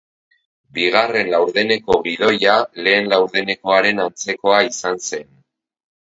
Bigarren laurdeneko gidoia lehen laurdenekoaren antzekoa izan zen.